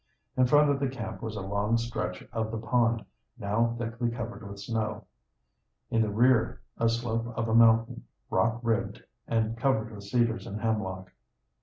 In front of the camp was a long stretch of the pond, now thickly covered with snow; in the rear a slope of a mountain, rock ribbed and covered with cedars and hemlock.